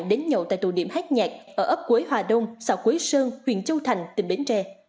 đến nhậu tại tù điểm hát nhạc ở ấp quế hòa đông xã quế sơn huyện châu thành tỉnh bến tre